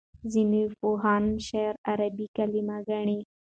ځینې پوهان شعر عربي کلمه ګڼي.